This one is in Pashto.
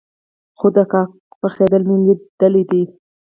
خو د کاک پخېدل مې ليدلي دي.